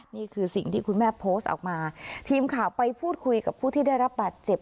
นี่คือสิ่งที่คุณแม่โพสต์ออกมาทีมข่าวไปพูดคุยกับผู้ที่ได้รับบาดเจ็บ